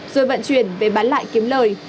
rồi vận chuyển về bán lại kiếm lời